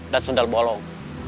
dan sundal bolong